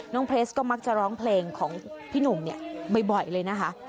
เพลสก็มักจะร้องเพลงของพี่หนุ่มเนี่ยบ่อยเลยนะคะ